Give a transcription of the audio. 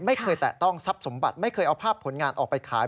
แตะต้องทรัพย์สมบัติไม่เคยเอาภาพผลงานออกไปขาย